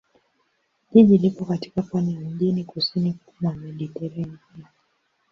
Jiji lipo katika pwani ya mjini kusini mwa Mediteranea.